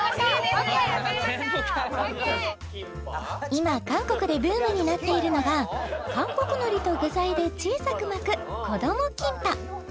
今韓国でブームになっているのが韓国のりと具材で小さく巻くこどもキンパ